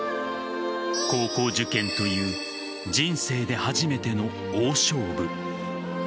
高校受験という人生で初めての大勝負。